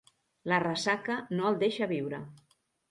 La ressaca no el deixa viure.